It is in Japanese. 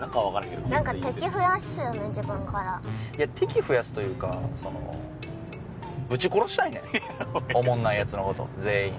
いや敵増やすというかぶち殺したいねんおもんないヤツの事全員。